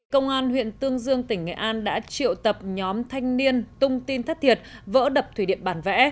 công an huyện tương dương tỉnh nghệ an đã triệu tập nhóm thanh niên tung tin thất thiệt vỡ đập thủy điện bản vẽ